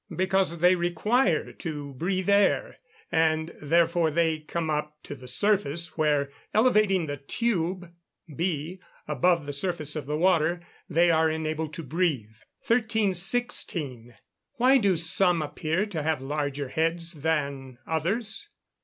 _ Because they require to breathe air, and therefore they come up to the surface, where, elevating the tube (b) above the surface of the water, they are enabled to breathe. 1316. _Why do some appear to have larger heads than others?